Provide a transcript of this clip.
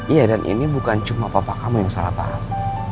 iya dan ini bukan cuma papa kamu yang salah taat